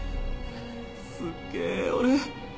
すげえ俺。